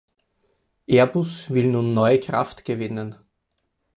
Airbus will nun neue Kraft gewinnen.